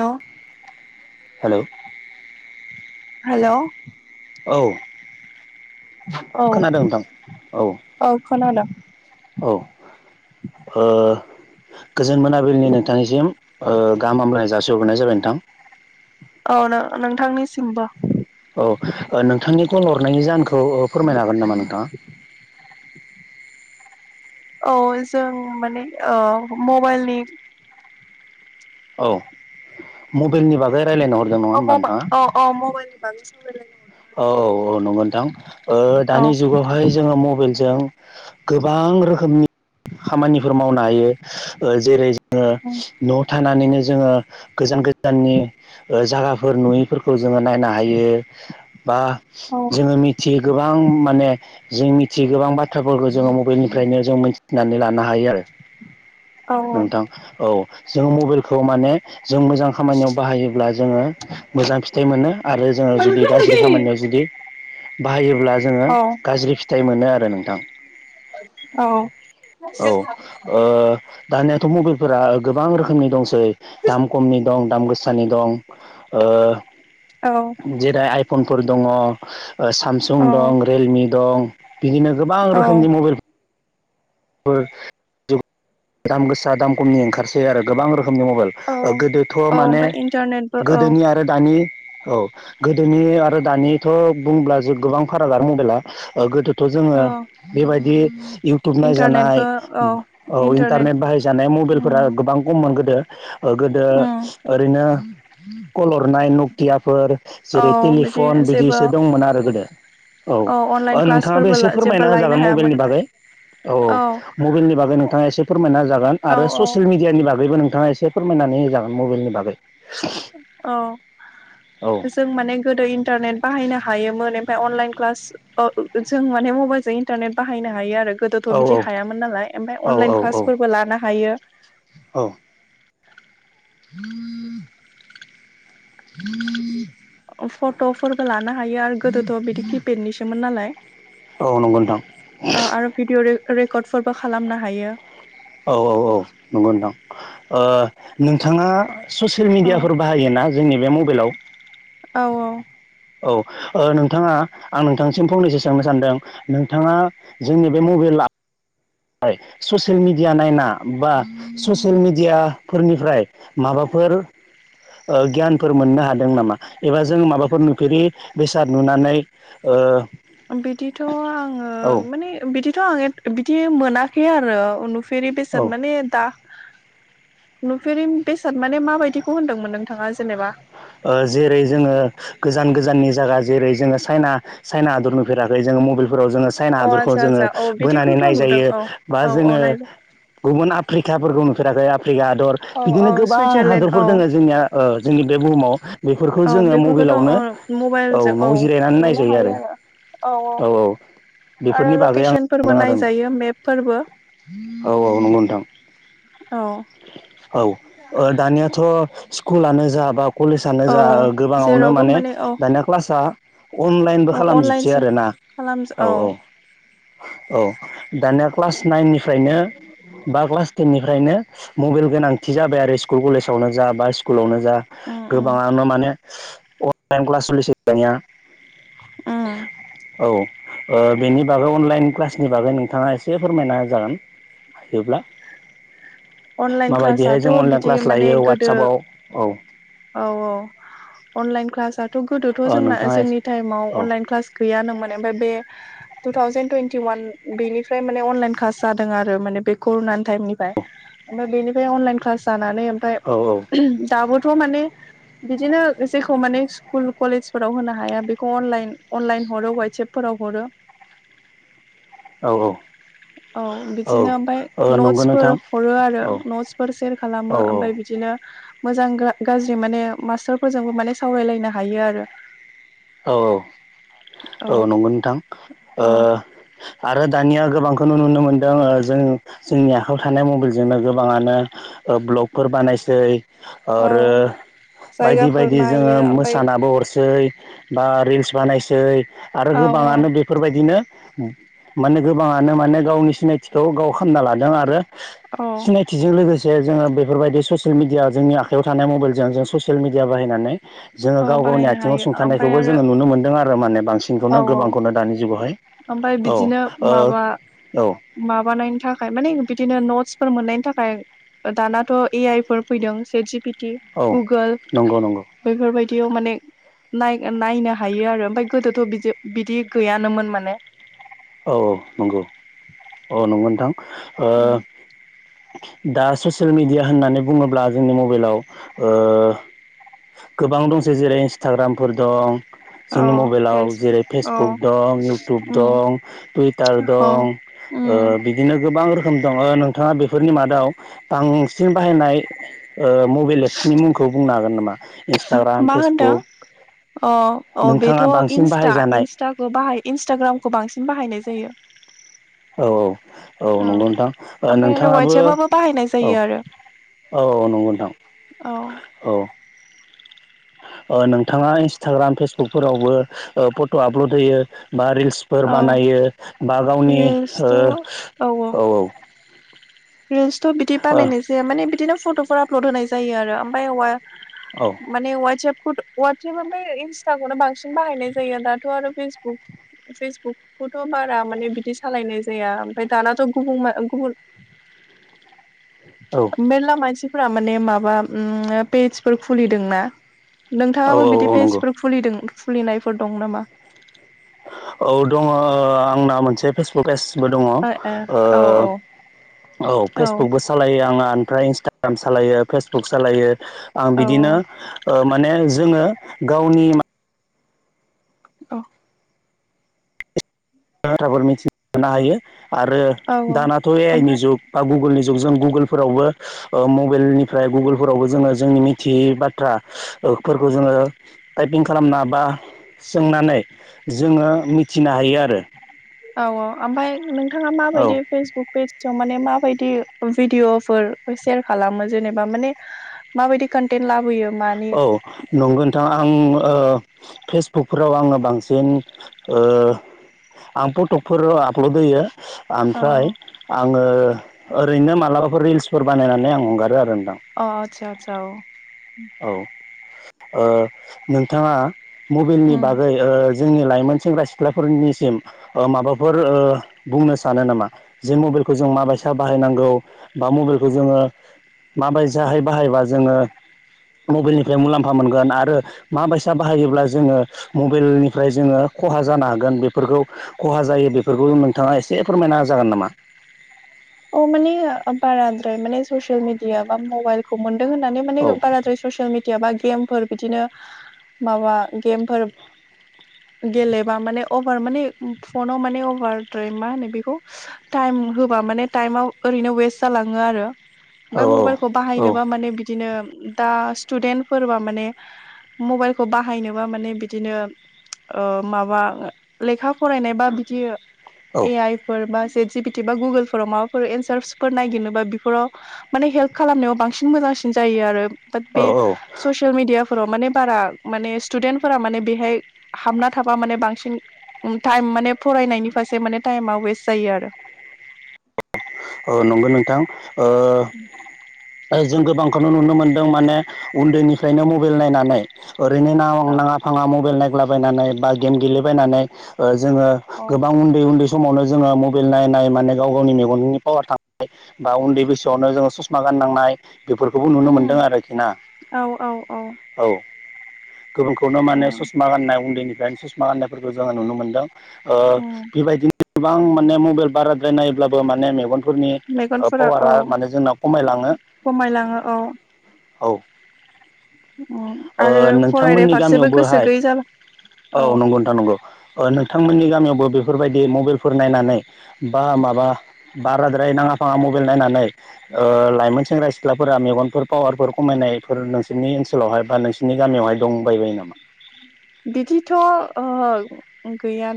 हेल'। Hello. Hello. औ। औ खोनादों नोंथां औ खोनादोंं। औ ओ गोजोन मोनाबिलिनि नोंथांनिसिम ओ गाहाम हामलायनाय जासिहरनाय जाबाय नोंथां। औ नो-नोंथांनिसिमबो। औ नोंथांनि कल हरनायनि जाहोनखौ ओ फोरमायनो हागोन नामा नोंथांङा? औ जों माने ओ मबाइलनि औ मबाइलनि बागै रायलायनो हरदों नङा अ होमबा मबा नोंथाङा अ अ मबाइलनि बागै जों सावरायलायनो हरदो। औ औ औ नंगौ नोंथां ओ आरो दानि जुगावहाय जोङो मबाइल जों गोबां रोखोमनि खामानिफोर मावनो हायो ओ जेरै जो ङो न'आव थानानैनो जोङो गोजान गोजाननि ओ जागाफोर नुयिफोरखौ जोङो नायनो हायो बा औ जोङो मिथियै गोबां माने जों मिथियै गोबां बाथ्राफोरखौ जोङो मबेलनिफ्रायनो जों मिथिनानै लानो हायो आरो औ नोंथां औ जोङो मबेलखौ माने जों मोजां खामानियाव बाहायोब्ला जोङो मोजां फिथाइ मोनो आरो जोङो जुदि गाज्रि खामानियाव जुदि बाहायो ब्ला जोङो गाज्रि फिथाइ मोनो आरो नोंथां औ औ ओ दानियाथ' मबेलफोरा गोबां रोखोमनि दंसै दाम खमनि दं दाम गोसा नि दं ओ जेरै आइफनफोर दङ ओ सामसुं औ दं रियेलमि दं बिदिनो गोबां औ रोखोमनि मबेल फोर [unintelligible] दाम गोसा दाम खमनि ओंखारसै आरो गोबां रो खोमनि मबेल औ गोदोथ' माने ओमफ्राय इन्टारनेटबो औ गोदोनि आरो दानि औ गोदोनि आरो दानिथ' बुंब्ला जे गोबां फारागानो मबेला गोदो थ' जोङो औ बेबायदि इउटुब नायजानाय इन्टारनेटबो औ औ इन्टारनेट बाहाय जानाय मबेलफोरा उम गोबां खममोन गोदो गोदो उम ओरैनो कल लरनाय नकियाफोर औ जेरै बिदि टेलिफन जेबो बिदिसो दंमोन आरो गोदो औ अनलाइन ओ नोंथाङाबो क्लासफोरबो एसे जेबो फोरमायना लायनो होजागोन हायामोन मबाइलनि बागै औ औ मबाइलनि बागै नोंथाङा एसे फोरमायना होजागोन औ आरो औ ससेल मिडियानि बागैल बेबो नोंथाङा एसे फोरमायनानै होजागोन मबेलनि बागै औ औ जों माने गोदो इन्टारनेट बाहायनो हायोमोन अनलाइन क्लास ओ जों माने मबाइलजों इन्टारनेट बाहायनो हायो आरो गोदोथ' औ बिदि हायामोन नालाय ओमफाय औ अनलाइन औ क्लासफोरबो लानो हायो औ [unintelligible] फट'फोरबो लानो हायो आरो गोदोथ' बिदि किपेडनिसोमोन नालाय औ नंगौ नोंथां ओ आरो भिडिअ रि रेकर्डफोरबो खालामनो हायो औ औ औ नंगौ नोंथां ओ नोंथाङा ससियेल औ मिडियाफोर बाहायोना जोंनि बे मबाइलाव औ औ औ ओ नोंथाङा आं नोंथांसिम फंनैसो सोंनो सानदों नोंथाङा जोंनि बे मबे [unintelligible] ससियेल मिडिया नायना बा ससियेल मिडियाफोरनिफ्राय माबा फोर ओ गियानफोर मोननो हादों नामा एबा जों माबाफोर नुफेरि बेसाद नुनानै ओ बिदिथ' आङो औ माने बिदिथ' आं बिदि मोनाखै आरो नु फिरि औ बेसाद माने दा नुफेरि बेसाद माने माबायदिखौ होनदोंमोन नोंथाङा जेनेबा ओ जागा जेरै जोङो चायना चायना हादर नुफैेराखै जोबग मबाइ फोराव जोङो सायना अ हादरखौ आदसा जोङो आदसा औ बोनानै बिदिखौथ' नुदों नायजायो औ बा औ औ जोङो नायदों गुबुन आफ्रिकाफोरखौ नुफेराखै आं फ्रिका हादर औ औ बिदिनो गोबां सुइजारलेण्ड औ हादरफोर दङ जोंनिया ओ जोंनि बे बुहुमाव बेफोरखौ औ जोङो बेफोरखौथ' मब़ऽलावनो औ औ मबाइलजों न' जिरायनानै नुनो नायजायो हायो आरो औ औ आरो बेफोरनि बागै आं लकेसनफोरबो सानदों आरो नायजायो मेपफोरबो औ औ नंगौ नोंथां औ औ ओ दानियाथ' स्कुलानो जा बा कलेजानो औ जा गोबाङावनो जेरावबो माने औ दानिया क्लास आ [unintelligible] अनलाइनबो औ खालामजोबसै अनलाइनसो आरोना औ औ औ दानिया क्लास नाइननिफ्रायनो बा क्लास टेननि ओमफ्रायनो मबाइल गोनांथि जाबाय आरो स्कुल कलेजावनो जा बा स्कुलावनो जा उम उम गोबाङानो माने अनलाइन क्लास [unintelligible] दानिया उम औ बेनि बागै अनलाइन क्लास नि बागै नोंथाङा एसे फोरमायना होजागोन, हायोब्ला। अनलाइन माबायदिहाय क्लासाथ' जों अनलाइन बिदि क्लास माने लायो, गोदो वाटसापआव, औ। औ औ अनलाइन क्लासाथ' गोदोथ' ओ जोंना नोंथाङा जोंनि टाइमाव औ अनलाइन क्लास गैयानोमोन। मोन, ओमफ्राय बे तु थावजेन तुइनति वान, बेनिफ्राय माने अनलाइन क्लास जादों आरो। बेखौ नान ताइमनिफ्राय, ओमफ्राय बिनिफ्राय अनलाइन क्लास जानानै ओमफ्राय, औ दाबो थ माने बिदिनो जेखौ माने स्कुल कलेजफोराव होनो हाया बेखौ अनलाइन अनलाइन हरो वाटसएपफोराव। औ हरो। औ औ। औ औ बिदिनो ओमफ्राय ओ नंगौ नोंथां नटसफोर हरो आरो औ नटसफोर सेर औ खालामो ओमफ्राय बिदि बिदिनो मोजां गाज्रि माने मास्टारफोरजोंबो माने सावरायलायनो हायो आरो। औ औ नंगौ नोंथां। ओ औ आरो दानिया गोबांखौ नो नुनो मोनदों जों जोंनि आखायाव थानाय मबाइलजोंनो गोबाङानो ब्लगफोर बानायसै औ आरो बायदि जायगाफोर बायदि जोङो नायो ओमफ्राय मोसानाबो हरसै। बा रिल्स बानायसै, आरो औ गोबाङानो बेफोरबायदिनो माने गोबाङानो माने गावनि सिनायथिखौ गाव खालामना लादों आरो औ सिनायथिजों लोगोसे से जोङो बेफोरबायदि ससियेल मिडिया जोंनि आखाइायाव थानाय मबाइलजों जोङो ससियेल मिडिया बाहायनानै जोङो औ गाव गावनि बाहायनो आथिङाव हायो ओमफ्राय सुंखानायखौबो आरो जोङो नुनो मोनदों आरो माने बां औ सिनखौनो गोबांखौनो दानि जुगावहाय‌। ओमफ्राय औ बिदिनो ओ माबा औ माबानायनि थाखाय माने बिदिनो नो नतस फोर मोननायनि थाखाय, दानाथ' ए आइ फोर फैदों, चेत जि पि ति औ गुगोल, नंगौ नंगौ बेफोरबायदि याव माने, ना नायनो हायो आरो, ओमफ्राय गोदो थ' बिदी बिदि गैयानोमोन माने। औ नंगौ औ नंगौ नोंथां। ओ दा ससियेल मिडिया होननानै बुङोब्ला जोंनि मबाइलाव ओ गोबां दंसै जेरै इन्सटाग्रामफोर दं, औ जोंनि मबाइलाव फेसबुक जेरै औ फेसबुक दं, इउटुब उम दं, टुइटार औ दं, ओ उम बिदिनो गोबां रोखोम रोखोम दङ नोंथाङा बेफोरनि मादाव बांसिन बाहायनाय ओ मबाइल एप्सनि मुंखौ बुंनो हागोन नामा? इन्सटाग्राम मा होनदों फेसबुक अ अ नोंथाङा बेथ' बांसिन इन्स्टा बाहायजानाय इन्सताखौ बाहाय इन्स्टाग्रामखौ बांसिन बाहायनाय जायो। औ औ नंगौ नोंथां। ओमफ्राय आरो नोंथाङाबो, वाट्सएपआबो बाहायनाय औ। जायो आरो औ नंगौ नोंथां। औ औ। नोंथाङा इन्सटाग्राम फेसबुकफोरावबो फट' आपल'ड होयो बा रिल्सफोर औ बानायो, बा गावनि रिल्सथ' औ ओ, औ। [unintelligible] रिल्सथ' बिदि ओ बानायनाय जाया माने बिदिनो फट'फोर आपलड होनाय जायो आरो ओमफ्राय औवा औ माने वाटसाब वाटसेप ओमफ्राय इन्स्टाखौनो बांसिन बाहायनाय जायो दाथ' आरो फेसबुक फेसबुक खौथ' बारा माने बिदि सालायनाय जाया ओमफ्राय दानाथ' गुब गुबुन औ मेरला मानसिफोरा माने माबा पेजफोर खुलिदोंना। औ नोंथाङाबो औ बिदि औ नंगौ पेजफोर खुलिदों खुलिनायफोर दं नामा? औ दङ आंना मोनसे फेसबुक पेज। बो दङ। ओ ओ ओ औ फेसबुकबो सालायो आंहा ओमफ्राय इन्सटाग्राम सालायो फेसबुक सालायो आं औ बिदिनो ओ माने जोंङो गावनि औ बाथफोर मिथि हायो आरो औ दानाथ' ए आइ ओमफ्राय नि जुग बा गुगोलनि जुग जों गुगोल फोरावबो मबाइलनिफ्राय गुगोलफोरावबो जोंङो जोंनि मिथियै बाथ्रा फोरखौ जोङो टाइपिं खालामना बा सोंनानै जोङो मिथिनो हायो आरो औ औ ओमफ्राय नोंथाङा औ माबायदि फेसबुक पेज दं माने माबायदि बिदिय फोर सायार खालामो जेनेबा म औ नंगौ नोंथां आं फेसबुकफोराव आङो बांसिन आं फतक फोर आपलद होयोऊ औ ओमफ्राय आंङो ओरैनो मालाबाफोर रिल्सफोर बानायनानै आं हंगारो आरो नोंथां अ आतसा आतसा औ क्षयशश औ ओ नोंथाङाओ मबाइलनि उम बागैओऔ़न जोंनि लाइमोन सेंग्रा सिख्लाफोरनिसिम माबाफोर बुंनो सानो नामा जे मबाइल मबाइखौ जों माबायसा बाहायनांगौ बा मबाइलखौ जोऔङो माबायदि जाहाय बाहायबा जोंङो मबाइलनिफ्राय मुलाम्फा मोनगोन आरो माबायसा बाहायोब्ला जोघङो मबाइलनिफ्राय जोंङो खहा जानो हागोन बेफोरखौ खहा जायो बेफोरखौ नोंथाङा एसे फोरमायना जागोन नामा अ माने बाराद्राय माने ससिल मिडिया बा मबाइल खौ मोन होननानै मान औ बाद्राय ससियेल मिडिया बा गेमफोर बिदिनो माबा गेमफोर गेलेबा माने अभार माने फनाव माने अभार्र मा होनो बेखौ टाइम होबा माने टाइमाव ओरैनो वेस्ट जालाङो आरो ओमफफ्राय औ मबाइलखौ औ बाहायनोबा माने बिदिनो दा स्टुदेन्ट फोरबा माने मबाइलखौ बाहायनोबा माने बिदिनो माबा लेखा फरायनाय बा बिदि औ ए आइ फोर बा जि पिटि बा गुगोलफोराव माबा फोर एनसार्सफोर ननायागिरनोबा बेफोराव माने हेल्प खालामनायाव बांसिन मोजांसिन जायो आरो दा बे औ ससियेल मिडिया फोराव माने बारा माने स्टुडेन्टफोरा माने बेहाय हाबना थाबा माने बांसिन टाइम माने फरायनायनि फारसे माने टाइमा वेस्त जायो आरो नंगौ नोंथां जों गोबांखौनो नुनो मोनदों माने उन्दैनिफ्रायनो मबाइल नायनानै ओरैनो न औ नांङा फाङा मबाइल नायगलाबायनानै बा गेम गेलेबायनानै जोङो औ गोबां उन्दै उन्दै समावनो जोङो मबाइल नाय नाय माने गाव गावनि मेगननि पार थांनाय बा उन्दै बैसोआवनो जोङो ससमा गाननांनाय बेफोरखौबो नुनो मोनदों उम आरोखि ना औ औ औ औ गुबुनखौनो औ माने ससमा गाननाय उन्दैनिफ्रायनो ससमा गाननायफोरखौ जोङो नुनो मोनदों ओ उम। बेबायदिनो गोबां माने मबाइल बाराद्राय नायोब्लाबो माने मेगन फोरनि मेगनफोरा औ पावारा माने जोंनाव खमायलाङो खमायलाङो औ औ उम आरो फरायनाय नोंथांमोननि फारसेबो गोसो गामियावबोहाय गैयै जाला औ नंगौ नोथां नंगौ बिथांमोननि गामियावबो बेफोरबायदि मबाइलफोर नायनानै बा माबा बाराद्राय नाङा फाङा मबाइल नायनानै ओ लाइमोन सेंग्रा सिख्लाफोरा मेगनफोर पावारफोर खमायनाय फोर नोंसोरनि ओनसोलावहाय बा नोंसोरनि गामियावहाय दंबायबायो नामा बिदिथ' गैया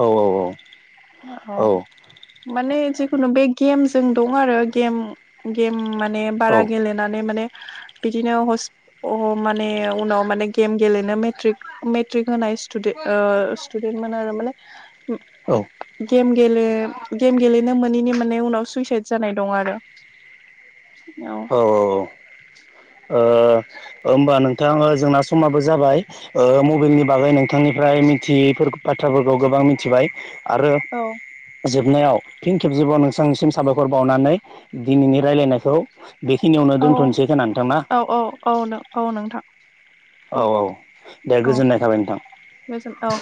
औ औ औ औ माने जेखुनु बै गेमजों दं आरो गेम गेम माने औ बारा गेलेनानै माने बिदिनो माने उनाव माने गेम गेलेनो मेट्रिक मेट्रिक होनाय ओ स्थुदेन्थ मोना आरो माने औ गेम गेले गेम गेलेनो मोनैनि माने उनाव सुइसाइद जानाय दं आरो [inaudible] औ औ औ ओ होमबा नों थां जोंना समाबो जाबाय ओ मबाइलनि बागै नोंथांनिफ्राय मिथियै बाथ्राफोरखौ गोबां बां मिथिबाय आरो औ जोबनायाव फिन खेबजबाव नोंसांनिसिम साबायखर बावनानै दिनैनि रायलायनायखौ बेखिनियावनो औ दोनथनोसै होन्नानै औ औ औ औ नोंथां औ औ दे औ गोजोननाय थाबाय नोंथां। गोजोन औ